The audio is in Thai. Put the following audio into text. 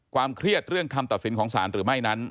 เครียดเรื่องคำตัดสินของศาลหรือไม่นั้น